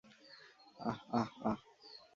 আহ আহ আহ!